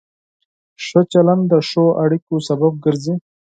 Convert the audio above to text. ښه چلند د ښو اړیکو سبب ګرځي.